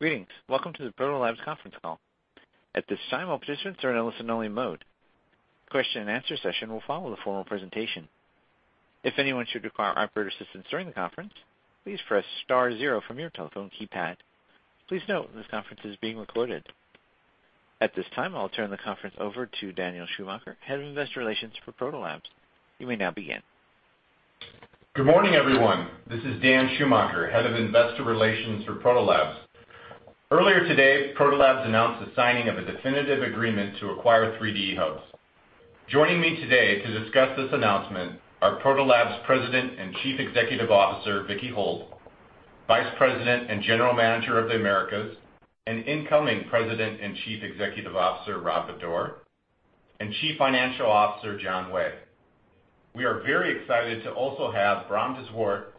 Greetings. Welcome to the Proto Labs conference call. At this time, all participants are in a listen-only mode. Question-and-answer session will follow the formal presentation. If anyone should require operator assistance during the conference, please press star zero from your telephone keypad. Please note this conference is being recorded. At this time, I'll turn the conference over to Daniel Schumacher, Head of Investor Relations for Proto Labs. You may now begin. Good morning, everyone. This is Dan Schumacher, head of investor relations for Proto Labs. Earlier today, Proto Labs announced the signing of a definitive agreement to acquire 3D Hubs. Joining me today to discuss this announcement are Proto Labs President and Chief Executive Officer, Vicki Holt, Vice President and General Manager of the Americas, and incoming President and Chief Executive Officer, Rob Bodor, and Chief Financial Officer, John Way. We are very excited to also have Bram de Zwart,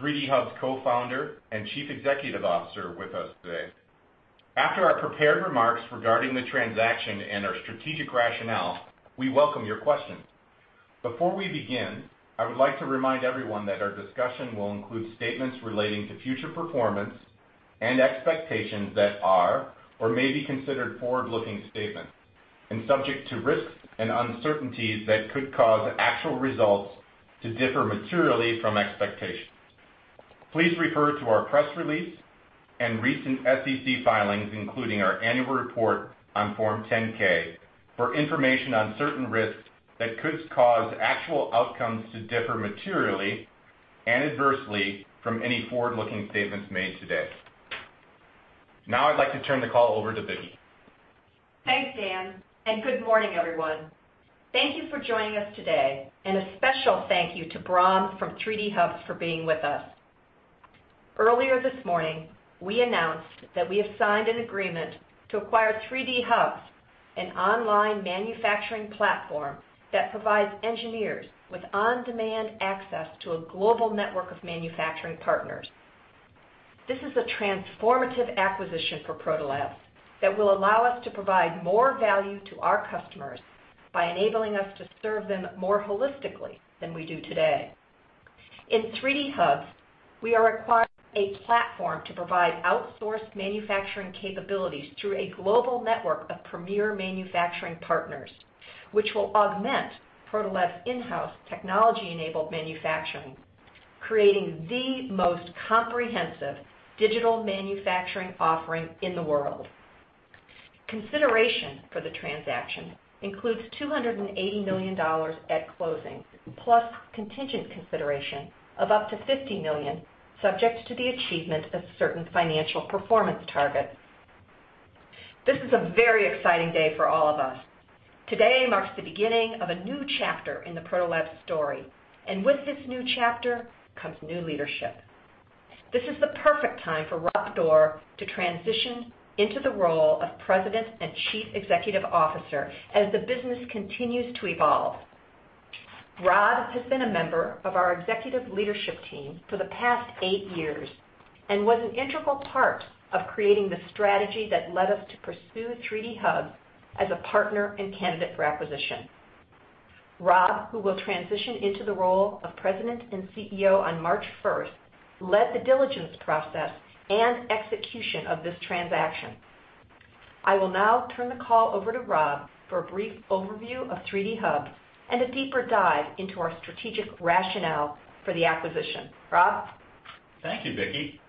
3D Hubs co-founder and Chief Executive Officer, with us today. After our prepared remarks regarding the transaction and our strategic rationale, we welcome your questions. Before we begin, I would like to remind everyone that our discussion will include statements relating to future performance and expectations that are or may be considered forward-looking statements, and subject to risks and uncertainties that could cause actual results to differ materially from expectations. Please refer to our press release and recent SEC filings, including our annual report on Form 10-K, for information on certain risks that could cause actual outcomes to differ materially and adversely from any forward-looking statements made today. I'd like to turn the call over to Vicki. Thanks, Dan, and good morning, everyone. Thank you for joining us today, and a special thank you to Bram from 3D Hubs for being with us. Earlier this morning, we announced that we have signed an agreement to acquire 3D Hubs, an online manufacturing platform that provides engineers with on-demand access to a global network of manufacturing partners. This is a transformative acquisition for Proto Labs that will allow us to provide more value to our customers by enabling us to serve them more holistically than we do today. In 3D Hubs, we are acquiring a platform to provide outsourced manufacturing capabilities through a global network of premier manufacturing partners, which will augment Proto Labs' in-house technology-enabled manufacturing, creating the most comprehensive digital manufacturing offering in the world. Consideration for the transaction includes $280 million at closing, plus contingent consideration of up to $50 million, subject to the achievement of certain financial performance targets. This is a very exciting day for all of us. Today marks the beginning of a new chapter in the Proto Labs story, and with this new chapter comes new leadership. This is the perfect time for Rob Bodor to transition into the role of President and Chief Executive Officer as the business continues to evolve. Rob has been a member of our executive leadership team for the past eight years and was an integral part of creating the strategy that led us to pursue 3D Hubs as a partner and candidate for acquisition. Rob, who will transition into the role of President and CEO on March first, led the diligence process and execution of this transaction. I will now turn the call over to Rob for a brief overview of 3D Hubs and a deeper dive into our strategic rationale for the acquisition. Rob? Thank you, Vicki.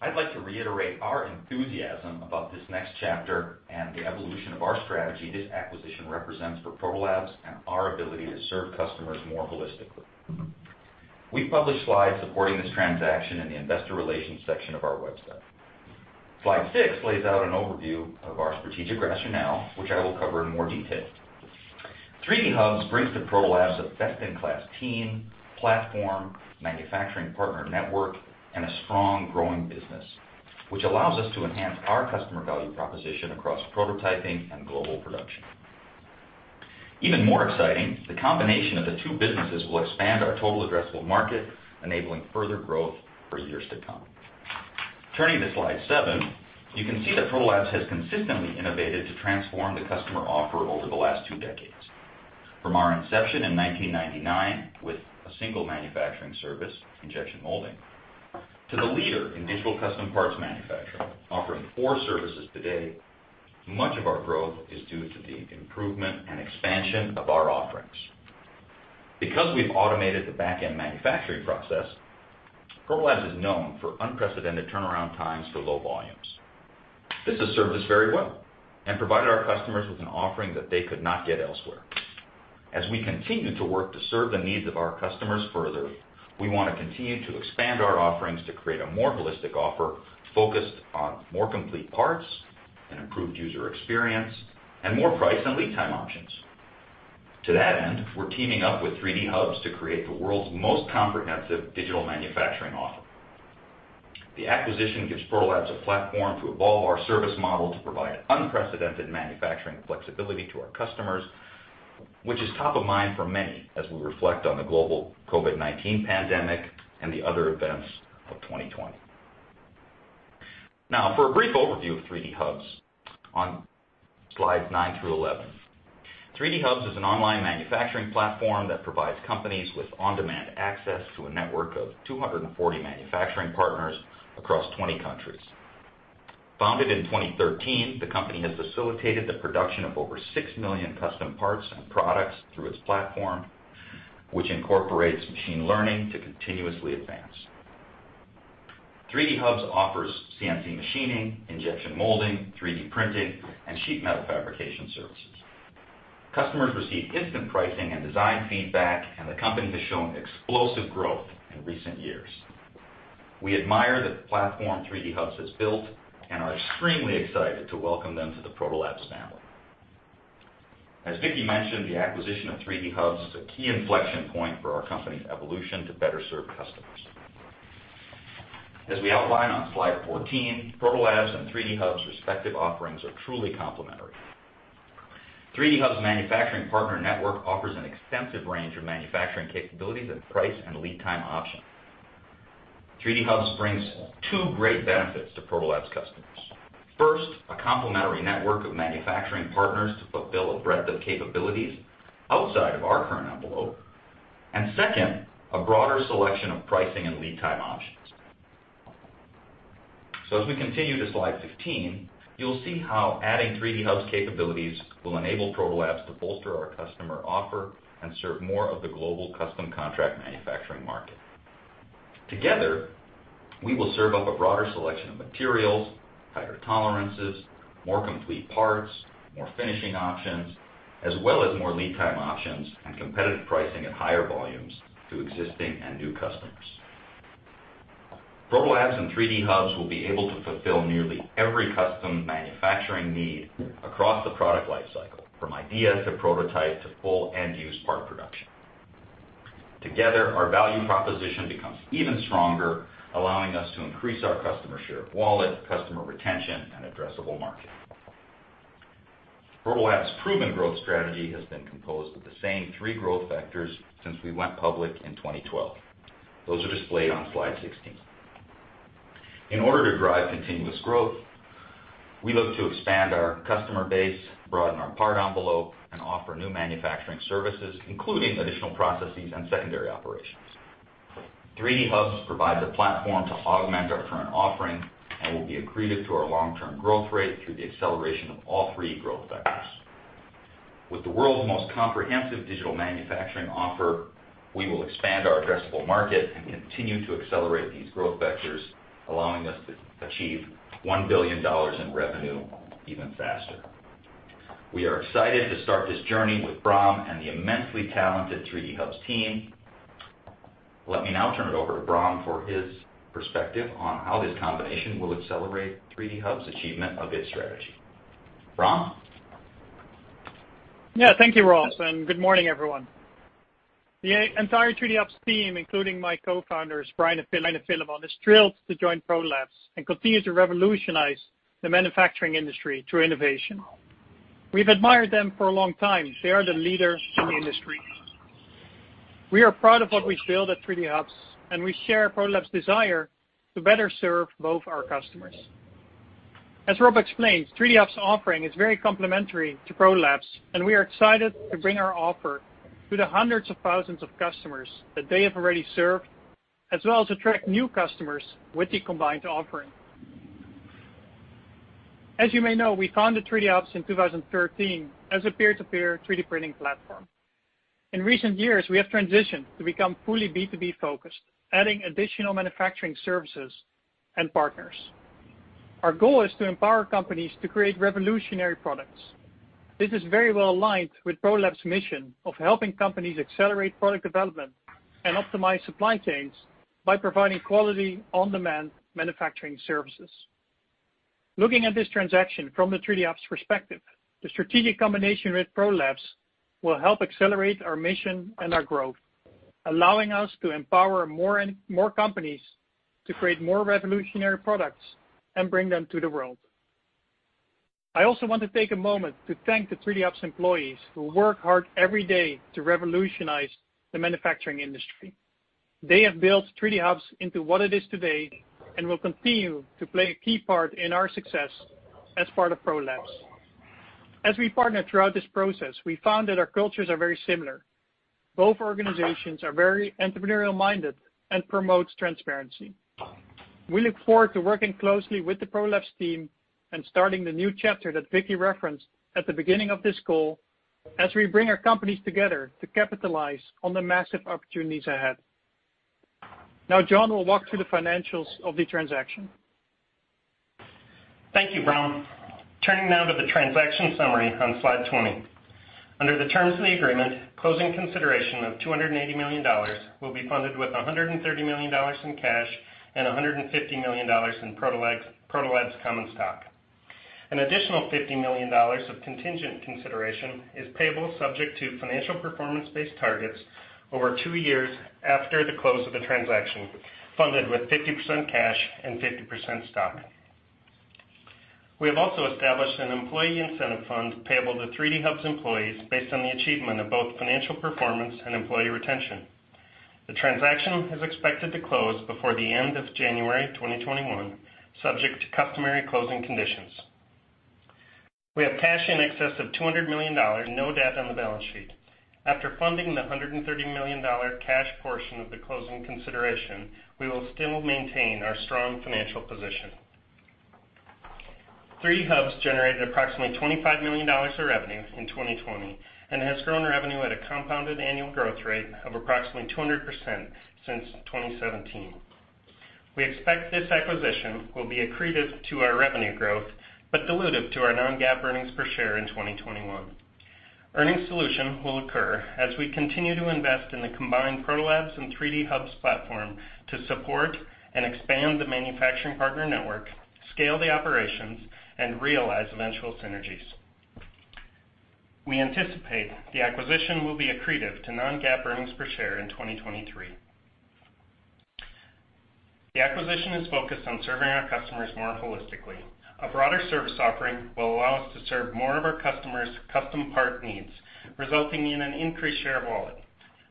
I'd like to reiterate our enthusiasm about this next chapter and the evolution of our strategy this acquisition represents for Proto Labs and our ability to serve customers more holistically. We published slides supporting this transaction in the investor relations section of our website. Slide six lays out an overview of our strategic rationale, which I will cover in more detail. 3D Hubs brings to Proto Labs a best-in-class team, platform, manufacturing partner network, and a strong, growing business, which allows us to enhance our customer value proposition across prototyping and global production. Even more exciting, the combination of the two businesses will expand our total addressable market, enabling further growth for years to come. Turning to slide seven, you can see that Proto Labs has consistently innovated to transform the customer offer over the last two decades. From our inception in 1999 with a single manufacturing service, injection molding, to the leader in digital custom parts manufacturing, offering four services today, much of our growth is due to the improvement and expansion of our offerings. Because we've automated the back-end manufacturing process, Proto Labs is known for unprecedented turnaround times for low volumes. This has served us very well and provided our customers with an offering that they could not get elsewhere. As we continue to work to serve the needs of our customers further, we want to continue to expand our offerings to create a more holistic offer focused on more complete parts, an improved user experience, and more price and lead time options. To that end, we're teaming up with 3D Hubs to create the world's most comprehensive digital manufacturing offer. The acquisition gives Proto Labs a platform to evolve our service model to provide unprecedented manufacturing flexibility to our customers, which is top of mind for many as we reflect on the global COVID-19 pandemic and the other events of 2020. For a brief overview of 3D Hubs on slides nine through 11. 3D Hubs is an online manufacturing platform that provides companies with on-demand access to a network of 240 manufacturing partners across 20 countries. Founded in 2013, the company has facilitated the production of over six million custom parts and products through its platform, which incorporates machine learning to continuously advance. 3D Hubs offers CNC machining, injection molding, 3D printing, and sheet metal fabrication services. Customers receive instant pricing and design feedback, and the company has shown explosive growth in recent years. We admire the platform 3D Hubs has built and are extremely excited to welcome them to the Protolabs family. As Vicki mentioned, the acquisition of 3D Hubs is a key inflection point for our company's evolution to better serve customers. As we outline on slide 14, Protolabs and 3D Hubs' respective offerings are truly complementary. 3D Hubs' manufacturing partner network offers an extensive range of manufacturing capabilities and price and lead time options. 3D Hubs brings two great benefits to Protolabs customers. First, a complementary network of manufacturing partners to fulfill a breadth of capabilities outside of our current envelope. Second, a broader selection of pricing and lead time options. As we continue to slide 15, you'll see how adding 3D Hubs' capabilities will enable Protolabs to bolster our customer offer and serve more of the global custom contract manufacturing market. Together, we will serve up a broader selection of materials, tighter tolerances, more complete parts, more finishing options, as well as more lead time options and competitive pricing at higher volumes to existing and new customers. Protolabs and 3D Hubs will be able to fulfill nearly every custom manufacturing need across the product life cycle, from idea to prototype to full end-use part production. Together, our value proposition becomes even stronger, allowing us to increase our customer share of wallet, customer retention, and addressable market. Protolabs' proven growth strategy has been composed of the same three growth vectors since we went public in 2012. Those are displayed on slide 16. In order to drive continuous growth, we look to expand our customer base, broaden our part envelope, and offer new manufacturing services, including additional processes and secondary operations. 3D Hubs provides a platform to augment our current offering and will be accretive to our long-term growth rate through the acceleration of all three growth vectors. With the world's most comprehensive digital manufacturing offer, we will expand our addressable market and continue to accelerate these growth vectors, allowing us to achieve $1 billion in revenue even faster. We are excited to start this journey with Bram and the immensely talented 3D Hubs team. Let me now turn it over to Bram for his perspective on how this combination will accelerate 3D Hubs' achievement of its strategy. Bram? Yeah. Thank you, Rob, and good morning, everyone. The entire 3D Hubs team, including my co-founders, Brian and Filemon, is thrilled to join Proto Labs and continue to revolutionize the manufacturing industry through innovation. We've admired them for a long time. They are the leaders in the industry. We are proud of what we've built at 3D Hubs, and we share Proto Labs' desire to better serve both our customers. As Rob explained, 3D Hubs' offering is very complementary to Proto Labs, and we are excited to bring our offer to the hundreds of thousands of customers that they have already served, as well as attract new customers with the combined offering. As you may know, we founded 3D Hubs in 2013 as a peer-to-peer 3D printing platform. In recent years, we have transitioned to become fully B2B focused, adding additional manufacturing services and partners. Our goal is to empower companies to create revolutionary products. This is very well aligned with Protolabs' mission of helping companies accelerate product development and optimize supply chains by providing quality on-demand manufacturing services. Looking at this transaction from the 3D Hubs perspective, the strategic combination with Protolabs will help accelerate our mission and our growth, allowing us to empower more companies to create more revolutionary products and bring them to the world. I also want to take a moment to thank the 3D Hubs employees who work hard every day to revolutionize the manufacturing industry. They have built 3D Hubs into what it is today and will continue to play a key part in our success as part of Protolabs. As we partnered throughout this process, we found that our cultures are very similar. Both organizations are very entrepreneurial-minded and promotes transparency. We look forward to working closely with the Protolabs team and starting the new chapter that Vicki referenced at the beginning of this call as we bring our companies together to capitalize on the massive opportunities ahead. John will walk through the financials of the transaction. Thank you, Bram. Turning now to the transaction summary on slide 20. Under the terms of the agreement, closing consideration of $280 million will be funded with $130 million in cash and $150 million in Protolabs common stock. An additional $50 million of contingent consideration is payable subject to financial performance-based targets over two years after the close of the transaction, funded with 50% cash and 50% stock. We have also established an employee incentive fund payable to 3D Hubs employees based on the achievement of both financial performance and employee retention. The transaction is expected to close before the end of January 2021, subject to customary closing conditions. We have cash in excess of $200 million, no debt on the balance sheet. After funding the $130 million cash portion of the closing consideration, we will still maintain our strong financial position. 3D Hubs generated approximately $25 million of revenue in 2020 and has grown revenue at a compounded annual growth rate of approximately 200% since 2017. We expect this acquisition will be accretive to our revenue growth, but dilutive to our non-GAAP earnings per share in 2021. Earnings dilution will occur as we continue to invest in the combined Proto Labs and 3D Hubs platform to support and expand the manufacturing partner network, scale the operations, and realize eventual synergies. We anticipate the acquisition will be accretive to non-GAAP earnings per share in 2023. The acquisition is focused on serving our customers more holistically. A broader service offering will allow us to serve more of our customers' custom part needs, resulting in an increased share of wallet.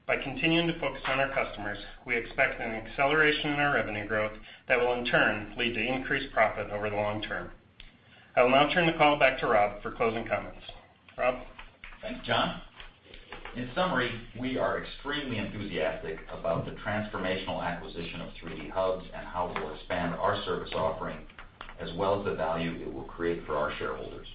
By continuing to focus on our customers, we expect an acceleration in our revenue growth that will, in turn, lead to increased profit over the long term. I will now turn the call back to Rob for closing comments. Rob? Thanks, John. In summary, we are extremely enthusiastic about the transformational acquisition of 3D Hubs and how it will expand our service offering, as well as the value it will create for our shareholders.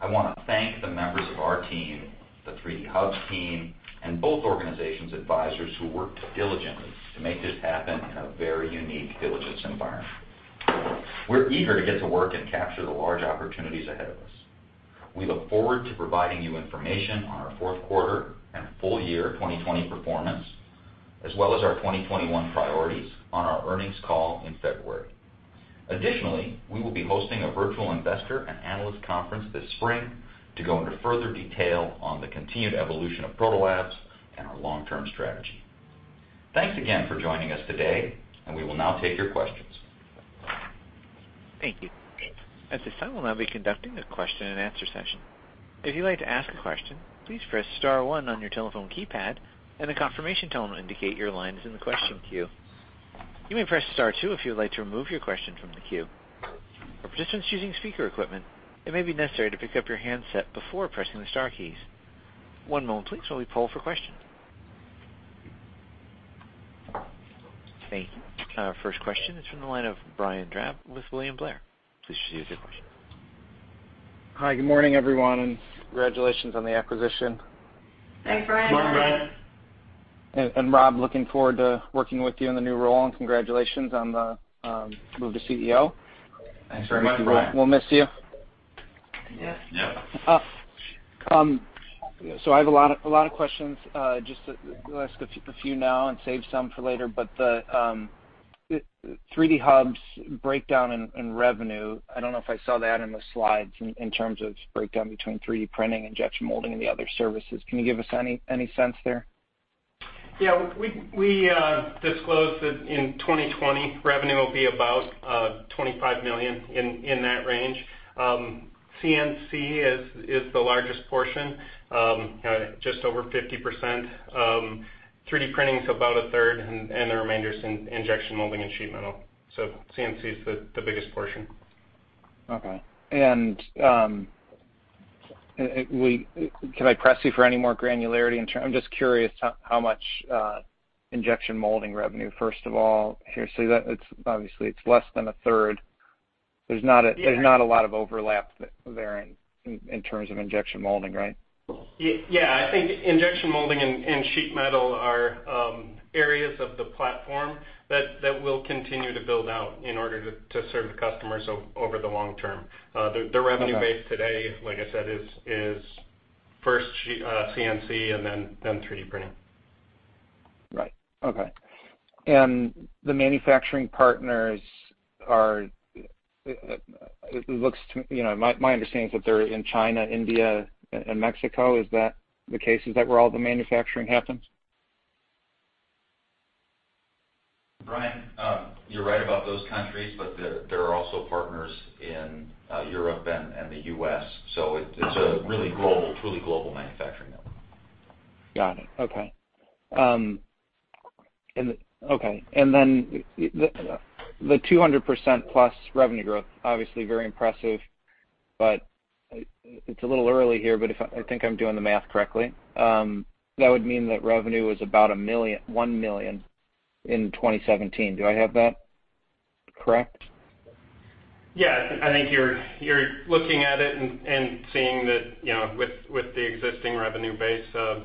I want to thank the members of our team, the 3D Hubs team, and both organizations' advisors who worked diligently to make this happen in a very unique diligence environment. We're eager to get to work and capture the large opportunities ahead of us. We look forward to providing you information on our Q4 and full year 2020 performance, as well as our 2021 priorities on our earnings call in February. Additionally, we will be hosting a virtual investor and analyst conference this spring to go into further detail on the continued evolution of Proto Labs and our long-term strategy. Thanks again for joining us today, and we will now take your questions. Thank you. Thank you. Our first question is from the line of Brian Drab with William Blair. Please proceed with your question. Hi. Good morning, everyone, and congratulations on the acquisition. Thanks, Brian. Good morning, Brian. Rob, looking forward to working with you in the new role, and congratulations on the move to CEO. Thanks very much, Brian. We'll miss you. Yeah. Yeah. I have a lot of questions. Just to ask a few now and save some for later, but the 3D Hubs breakdown in revenue, I don't know if I saw that in the slides in terms of breakdown between 3D printing, injection molding, and the other services. Can you give us any sense there? Yeah. We disclosed that in 2020, revenue will be about $25 million, in that range. CNC is the largest portion, just over 50%. 3D printing's about a third, and the remainder's in injection molding and sheet metal. CNC is the biggest portion. Okay. Can I press you for any more granularity? I'm just curious how much injection molding revenue, first of all, here? Obviously, it's less than a third. There's not a lot of overlap there in terms of injection molding, right? I think injection molding and sheet metal are areas of the platform that we'll continue to build out in order to serve the customers over the long term. The revenue base today, like I said, is first CNC and then 3D printing. Right. Okay. The manufacturing partners are, my understanding is that they're in China, India, and Mexico. Is that the case? Is that where all the manufacturing happens? Brian, you're right about those countries, but there are also partners in Europe and the U.S. It's a really global truly global manufacturing network. Got it. Okay. The 200%-plus revenue growth, obviously very impressive, but it's a little early here, but if I think I'm doing the math correctly, that would mean that revenue was about $1 million in 2017. Do I have that correct? Yeah. I think you're looking at it and seeing that with the existing revenue base; the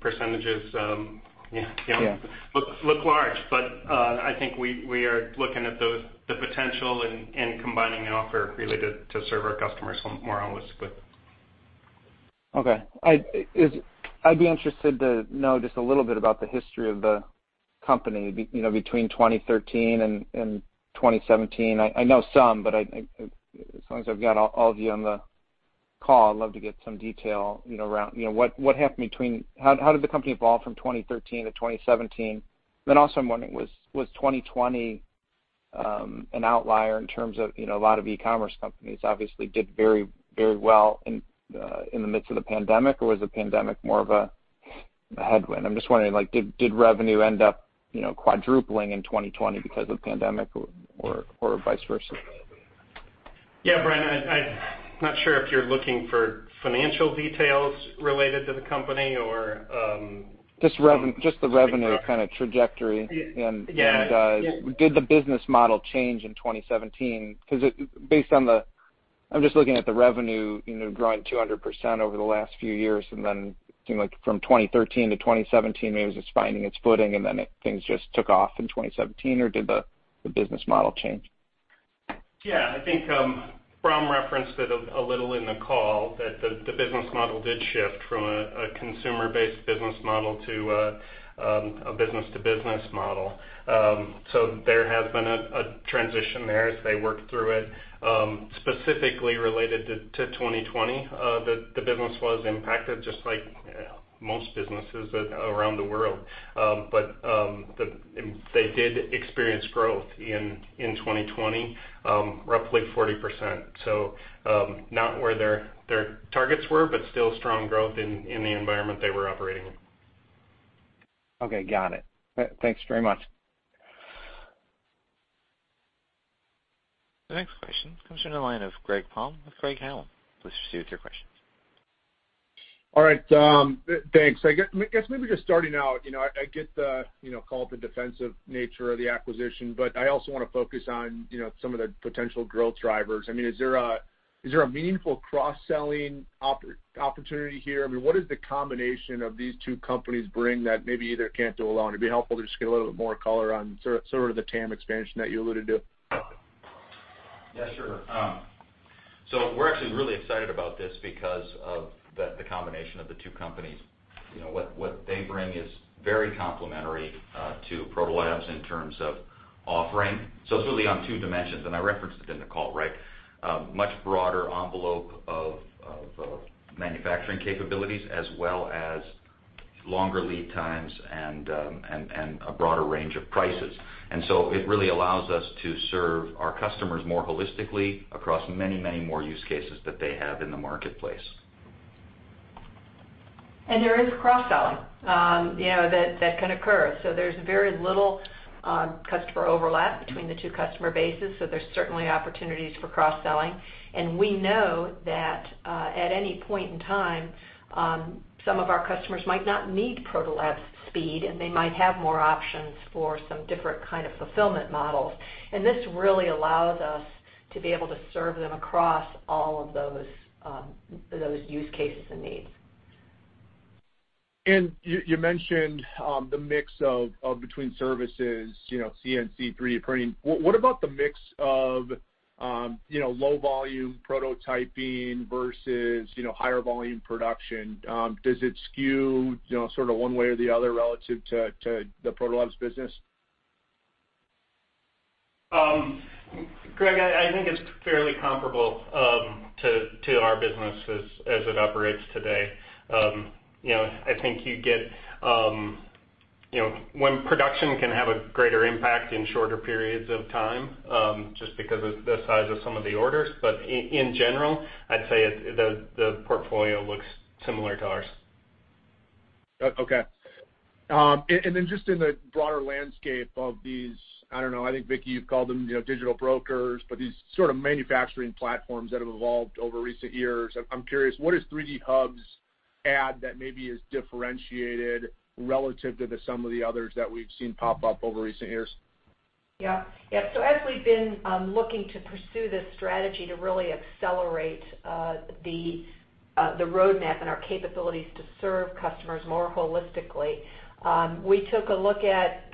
percentages look large. I think we are looking at the potential in combining the offer really to serve our customers more holistically. Okay. I'd be interested to know just a little bit about the history of the company between 2013 and 2017. I know some, but as long as I've got all of you on the call, I'd love to get some detail around what happened. How did the company evolve from 2013 to 2017? Also, I'm wondering, was 2020 an outlier in terms of a lot of e-commerce companies, obviously did very well in the midst of the pandemic, or was the pandemic more of a headwind? I'm just wondering, did revenue end up quadrupling in 2020 because of the pandemic, or vice versa? Yeah, Brian, I'm not sure if you're looking for financial details related to the company or- Just the revenue trajectory. Yeah Did the business model change in 2017? Because based on I'm just looking at the revenue growing 200% over the last few years, and then it seemed like from 2013 to 2017, maybe it was just finding its footing, and then things just took off in 2017, or did the business model change? I think Bram referenced it a little in the call that the business model did shift from a consumer-based business model to a business-to-business model. There has been a transition there as they work through it. Specifically related to 2020, the business was impacted just like most businesses around the world. They did experience growth in 2020, roughly 40%. Not where their targets were, but still strong growth in the environment they were operating. Okay. Got it. Thanks very much. The next question comes from the line of Greg Palm with Craig-Hallum. Please proceed with your questions. All right. Thanks. I guess maybe just starting out, I get the call it the defensive nature of the acquisition, but I also want to focus on some of the potential growth drivers. Is there a meaningful cross-selling opportunity here? What does the combination of these two companies bring that maybe either can't do alone? It'd be helpful to just get a little bit more color on sort of the TAM expansion that you alluded to. Yeah, sure. We're actually really excited about this because of the combination of the two companies. What they bring is very complementary to Protolabs in terms of offering. It's really on two dimensions, and I referenced it in the call. Much broader envelope of manufacturing capabilities, as well as longer lead times and a broader range of prices. It really allows us to serve our customers more holistically across many more use cases that they have in the marketplace. There is cross-selling that can occur. There's very little customer overlap between the two customer bases, so there's certainly opportunities for cross-selling. We know that at any point in time, some of our customers might not need Protolabs' speed, and they might have more options for some different kind of fulfillment models. This really allows us to be able to serve them across all of those use cases and needs. You mentioned the mix between services, CNC, 3D printing. What about the mix of low-volume prototyping versus higher volume production? Does it skew one way or the other relative to the Protolabs business? Greg, I think it's fairly comparable to our business as it operates today. I think when production can have a greater impact in shorter periods of time, just because of the size of some of the orders. In general, I'd say the portfolio looks similar to ours. Okay. Then just in the broader landscape of these, I don't know, I think Vicki, you've called them digital brokers, but these sort of manufacturing platforms that have evolved over recent years. I'm curious, what does 3D Hubs add that maybe is differentiated relative to some of the others that we've seen pop up over recent years? As we've been looking to pursue this strategy to really accelerate the roadmap and our capabilities to serve customers more holistically, we took a look at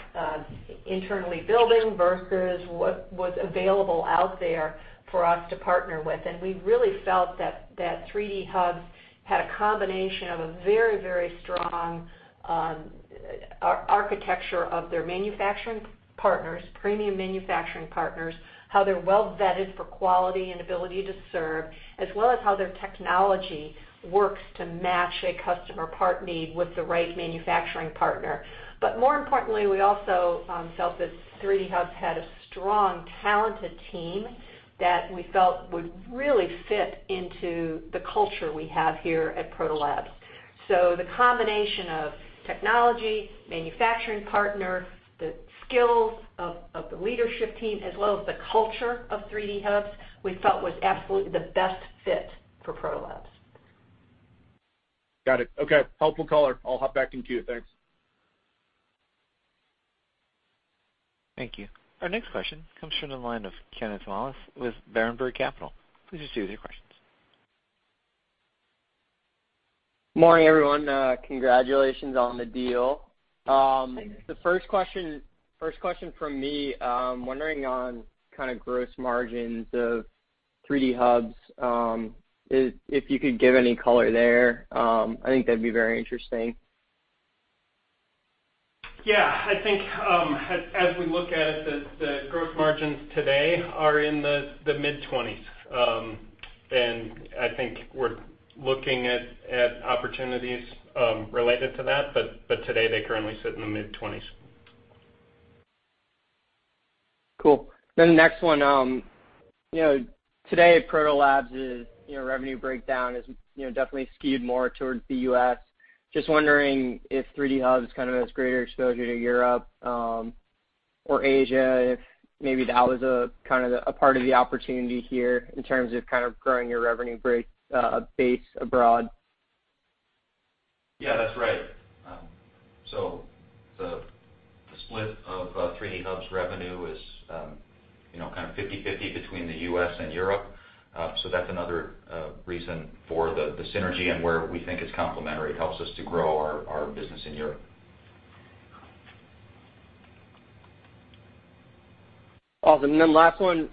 internally building versus what was available out there for us to partner with, and we really felt that 3D Hubs had a combination of a very strong architecture of their manufacturing partners, premium manufacturing partners, how they're well-vetted for quality and ability to serve, as well as how their technology works to match a customer part need with the right manufacturing partner. More importantly, we also felt that 3D Hubs had a strong, talented team that we felt would really fit into the culture we have here at Protolabs. The combination of technology, manufacturing partner, the skills of the leadership team, as well as the culture of 3D Hubs, we felt was absolutely the best fit for Protolabs. Got it. Okay. Helpful color. I'll hop back in queue. Thanks. Thank you. Our next question comes from the line of Kenneth Vallace with Varenbrau Capital. Please proceed with your questions. Morning, everyone. Congratulations on the deal. Thanks. The first question from me, wondering on kind of gross margins of 3D Hubs. If you could give any color there, I think that'd be very interesting. Yeah. I think as we look at it, the growth margins today are in the mid-20s. I think we're looking at opportunities related to that, but today they currently sit in the mid-20s. Cool. The next one. Today, Proto Labs' revenue breakdown is definitely skewed more towards the U.S. Just wondering if 3D Hubs kind of has greater exposure to Europe or Asia, if maybe that was a part of the opportunity here in terms of growing your revenue base abroad. Yeah, that's right. The split of 3D Hubs revenue is kind of 50/50 between the U.S. and Europe. That's another reason for the synergy and where we think it's complementary. It helps us to grow our business in Europe. Awesome. Then last one.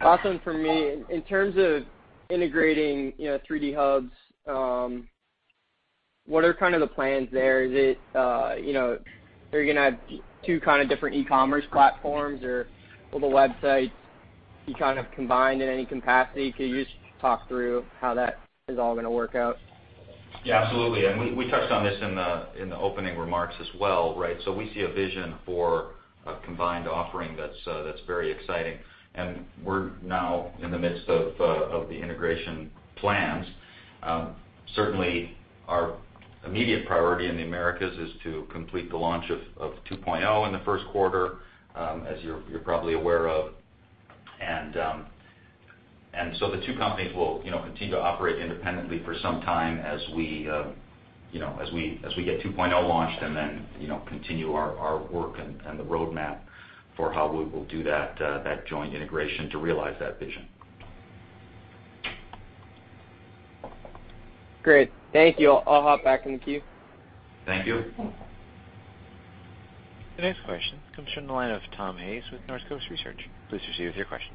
Last one from me, in terms of integrating 3D Hubs, what are the plans there? Are you going to have two different e-commerce platforms, or will the websites be combined in any capacity? Could you just talk through how that is all going to work out? Yeah, absolutely. We touched on this in the opening remarks as well. We see a vision for a combined offering that's very exciting. We're now in the midst of the integration plans. Certainly, our immediate priority in the Americas is to complete the launch of 2.0 in the Q1, as you're probably aware of. The two companies will continue to operate independently for some time as we get 2.0 launched and then continue our work and the roadmap for how we will do that joint integration to realize that vision. Great. Thank you. I'll hop back in the queue. Thank you. The next question comes from the line of Tom Hayes with Northcoast Research. Please proceed with your questions.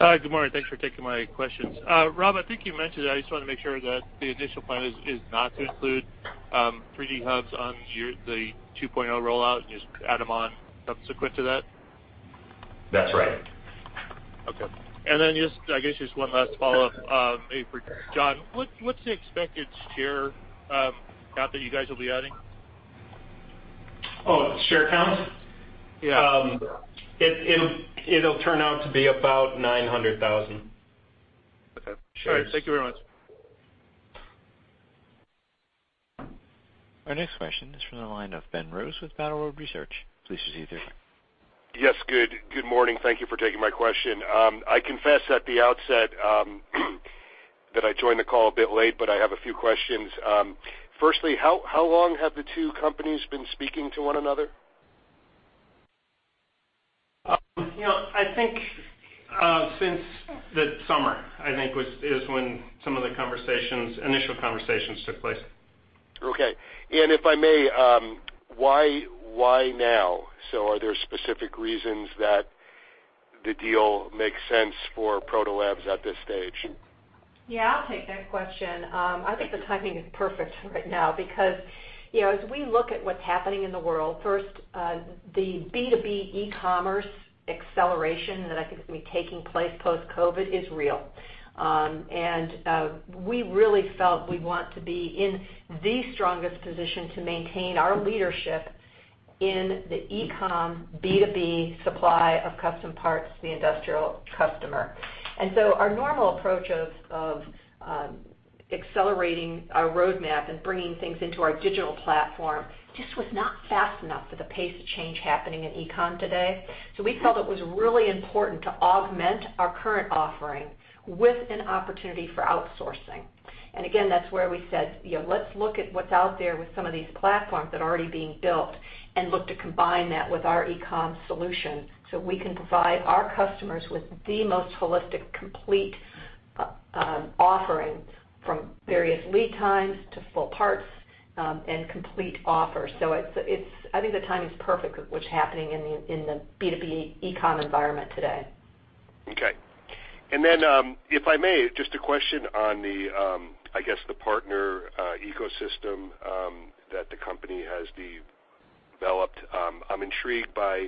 Good morning. Thanks for taking my questions. Rob, I think you mentioned, I just wanted to make sure that the initial plan is not to include 3D Hubs on the 2.0 rollout, and just add them on subsequent to that? That's right. Okay. I guess just one last follow-up, maybe for John. What's the expected share count that you guys will be adding? Oh, share count? It'll turn out to be about 900,000 shares. Okay. All right. Thank you very much. Our next question is from the line of Ben Rose with Battle Road Research. Please proceed with your question. Yes, good morning. Thank you for taking my question. I confess at the outset that I joined the call a bit late. I have a few questions. Firstly, how long have the two companies been speaking to one another? I think since the summer, I think, is when some of the initial conversations took place. Okay. If I may, why now? Are there specific reasons that the deal makes sense for Proto Labs at this stage? Yeah, I'll take that question. I think the timing is perfect right now because as we look at what's happening in the world, first, the B2B e-commerce acceleration that I think is going to be taking place post-COVID is real. We really felt we want to be in the strongest position to maintain our leadership in the e-commerce B2B supply of custom parts to the industrial customer. Our normal approach of accelerating our roadmap and bringing things into our digital platform just was not fast enough for the pace of change happening in e-commerce today. We felt it was really important to augment our current offering with an opportunity for outsourcing. Again, that's where we said, "Let's look at what's out there with some of these platforms that are already being built and look to combine that with our e-commerce solution so we can provide our customers with the most holistic, complete offering from various lead times to full parts, and complete offers." I think the timing is perfect with what's happening in the B2B e-commerce environment today. Okay. Then, if I may, just a question on the, I guess, the partner ecosystem that the company has developed. I'm intrigued by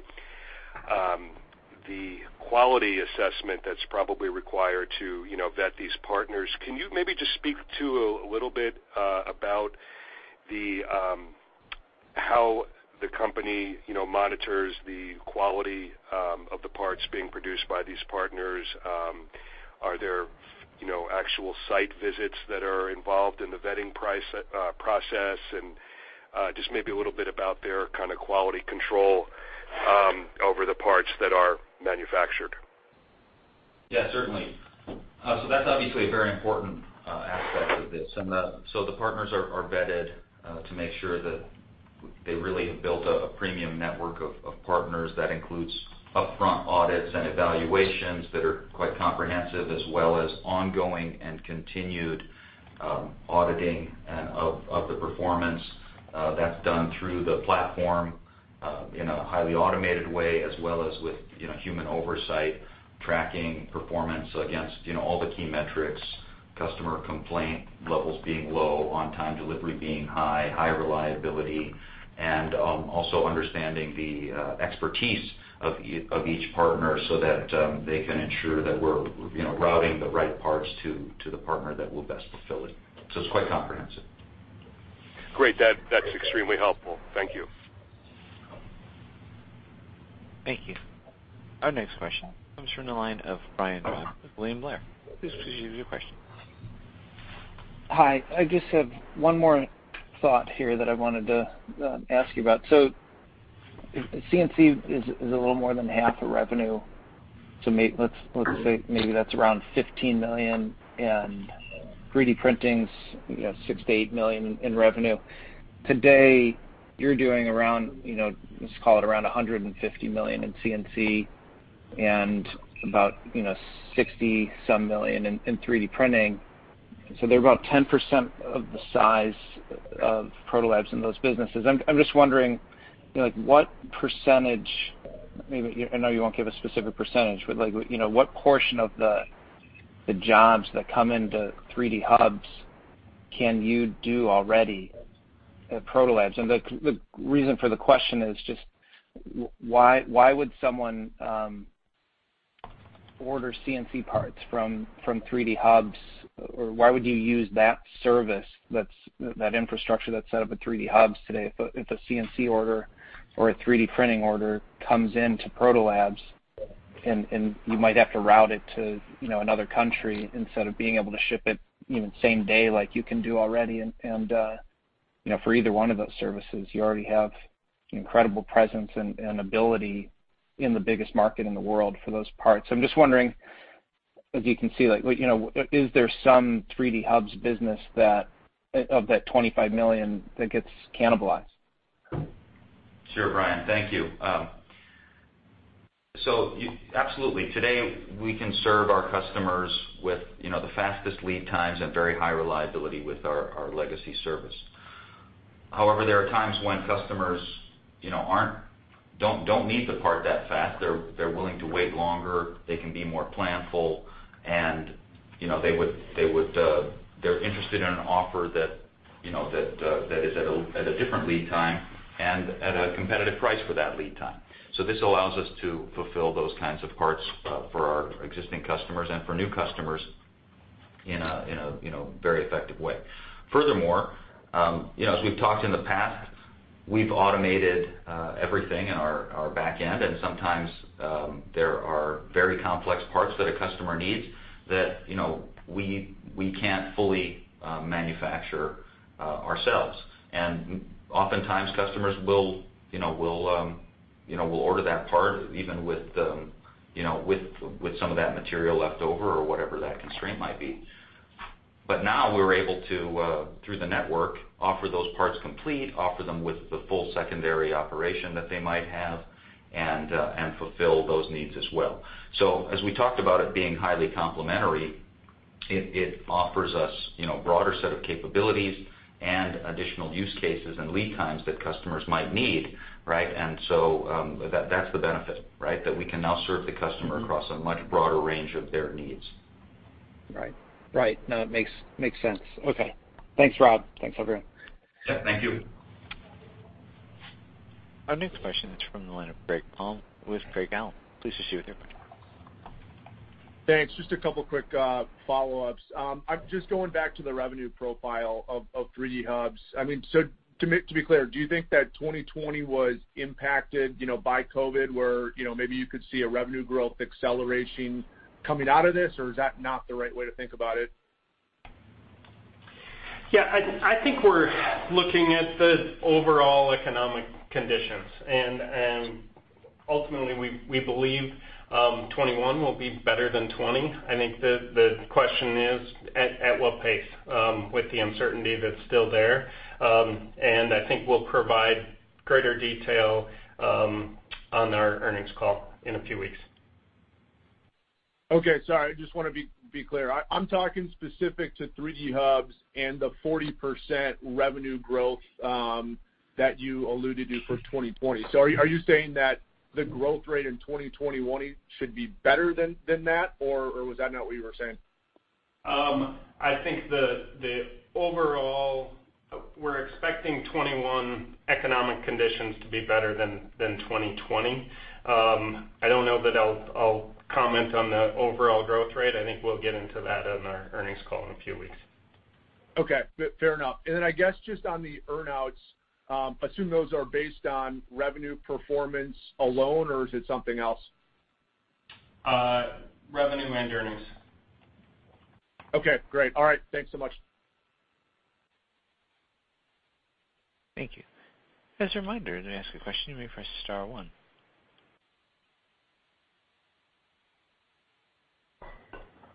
the quality assessment that's probably required to vet these partners. Can you maybe just speak a little bit about how the company monitors the quality of the parts being produced by these partners? Are there actual site visits that are involved in the vetting process? Just maybe a little bit about their quality control over the parts that are manufactured? Yeah, certainly. That's obviously a very important aspect of this. The partners are vetted to make sure that they really have built a premium network of partners that includes upfront audits and evaluations that are quite comprehensive, as well as ongoing and continued auditing of the performance. That's done through the platform in a highly automated way, as well as with human oversight, tracking performance against all the key metrics, customer complaint levels being low, on-time delivery being high, high reliability, and also understanding the expertise of each partner so that they can ensure that we're routing the right parts to the partner that will best fulfill it. It's quite comprehensive. Great. That's extremely helpful. Thank you. Thank you. Our next question comes from the line of Brian with William Blair. Please proceed with your question. Hi. I just have one more thought here that I wanted to ask you about. CNC is a little more than half the revenue, let's say maybe that's around $15 million in 3D printings, $6-$8 million in revenue. Today, you're doing around, let's call it around $150 million in CNC and about $60-some million in 3D printing. They're about 10% of the size of Proto Labs in those businesses. I'm just wondering, what percentage, maybe I know you won't give a specific percentage, but what portion of the jobs that come into 3D Hubs can you do already at Proto Labs? The reason for the question is just why would someone order CNC parts from 3D Hubs, or why would you use that service, that infrastructure that's set up at 3D Hubs today if a CNC order or a 3D printing order comes in to Proto Labs, and you might have to route it to another country instead of being able to ship it even same day like you can do already. For either one of those services, you already have an incredible presence and ability in the biggest market in the world for those parts. I'm just wondering, as you can see, is there some 3D Hubs business of that $25 million that gets cannibalized? Sure, Brian, thank you. Absolutely. Today, we can serve our customers with the fastest lead times and very high reliability with our legacy service. However, there are times when customers don't need the part that fast. They're willing to wait longer. They can be more planful, and they're interested in an offer that is at a different lead time and at a competitive price for that lead time. This allows us to fulfill those kinds of parts for our existing customers and for new customers in a very effective way. Furthermore, as we've talked in the past, we've automated everything in our back end, and sometimes there are very complex parts that a customer needs that we can't fully manufacture ourselves. Oftentimes, customers will order that part even with some of that material left over or whatever that constraint might be. Now we're able to, through the Protolabs Network, offer those parts complete, offer them with the full secondary operation that they might have, and fulfill those needs as well. As we talked about it being highly complementary, it offers us a broader set of capabilities and additional use cases and lead times that customers might need, right? That's the benefit, right? That we can now serve the customer across a much broader range of their needs. Right. No, it makes sense. Okay. Thanks, Rob. Thanks, everyone. Yeah, thank you. Our next question is from the line of Craig Hall with Craig-Hallum. Please proceed with your question. Thanks. Just a couple quick follow-ups. Just going back to the revenue profile of 3D Hubs. To be clear, do you think that 2020 was impacted by COVID-19 where maybe you could see a revenue growth acceleration coming out of this, or is that not the right way to think about it? Yeah, I think we're looking at the overall economic conditions, and ultimately, we believe 2021 will be better than 2020. I think the question is at what pace, with the uncertainty that's still there, and I think we'll provide greater detail on our earnings call in a few weeks. Okay. Sorry, I just want to be clear. I'm talking specific to 3D Hubs and the 40% revenue growth that you alluded to for 2020. Are you saying that the growth rate in 2021 should be better than that, or was that not what you were saying? I think that overall, we're expecting 2021 economic conditions to be better than 2020. I don't know that I'll comment on the overall growth rate. I think we'll get into that on our earnings call in a few weeks. Okay. Fair enough. I guess just on the earn-outs, assume those are based on revenue performance alone, or is it something else? Revenue and earnings. Okay, great. All right. Thanks so much. Thank you. As a reminder, to ask a question, you may press star one.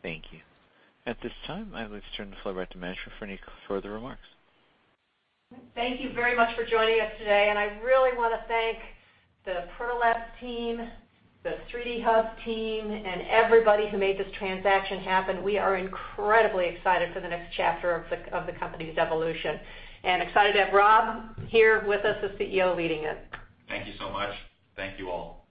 Thank you. At this time, I would like to turn the floor back to management for any further remarks. Thank you very much for joining us today, and I really want to thank the Proto Labs team, the 3D Hubs team, and everybody who made this transaction happen. We are incredibly excited for the next chapter of the company's evolution and excited to have Rob here with us as CEO leading it. Thank you so much. Thank you all.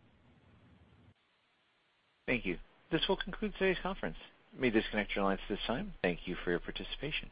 Thank you. This will conclude today's conference. You may disconnect your lines at this time. Thank you for your participation.